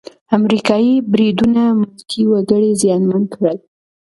امریکايي بریدونه ملکي وګړي زیانمن کړل.